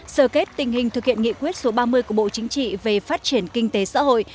sở kết tình hình thực hiện nghị quyết số ba mươi của bộ chính trị về phát triển kinh tế xã hội